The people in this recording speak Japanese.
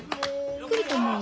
来ると思うよ。